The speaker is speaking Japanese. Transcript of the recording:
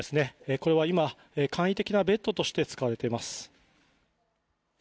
これは今、簡易的なベッドとして使われています。